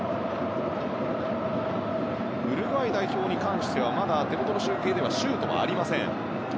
ウルグアイ代表に関してはまだ手元の集計ではシュートはありません。